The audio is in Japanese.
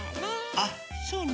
あっそうね。